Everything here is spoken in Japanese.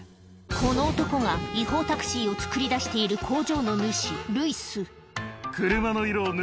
この男が違法タクシーをつくり出しているへぇ。